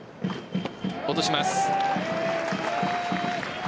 落とします。